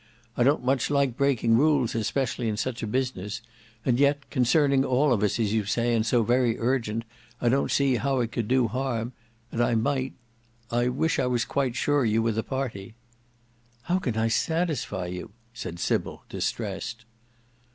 I don't much like breaking rules, especially in such a business; and yet, concerning all of us, as you say, and so very urgent, I don't see how it could do harm; and I might—I wish I was quite sure you were the party. "How can I satisfy you?" said Sybil, distressed.